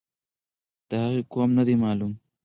د هغې قوم نه دی معلوم.